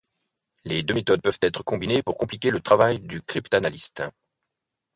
Les deux méthodes peuvent être combinées pour compliquer le travail du cryptanalyste.